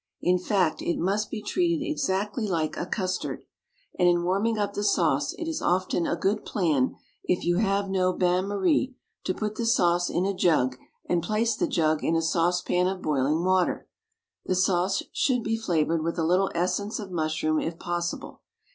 In fact, it must be treated exactly like custard, and in warming up the sauce it is often a good plan, if you have no bain marie, to put the sauce in a jug and place the jug in a saucepan of boiling water. The sauce should be flavoured with a little essence of mushroom if possible.